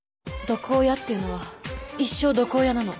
毒親っていうのは一生毒親なの。